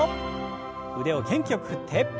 腕を元気よく振って。